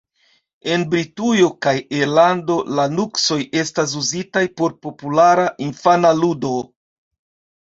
En Britujo kaj Irlando, la nuksoj estas uzitaj por populara infana ludo.